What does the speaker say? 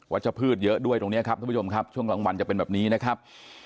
จะพืชเยอะด้วยตรงนี้ครับท่านผู้ชมครับช่วงกลางวันจะเป็นแบบนี้นะครับ